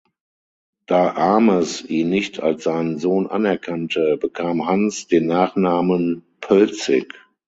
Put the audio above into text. Da Ames ihn nicht als seinen Sohn anerkannte, bekam Hans den Nachnamen Poelzig.